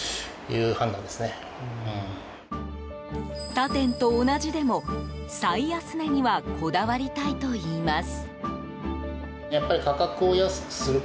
他店と同じでも最安値にはこだわりたいといいます。